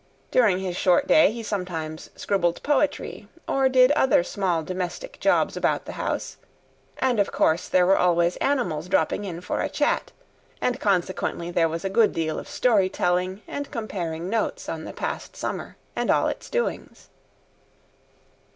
During his short day he sometimes scribbled poetry or did other small domestic jobs about the house; and, of course, there were always animals dropping in for a chat, and consequently there was a good deal of story telling and comparing notes on the past summer and all its doings.